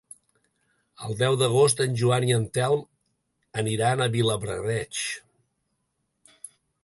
El deu d'agost en Joan i en Telm aniran a Vilablareix.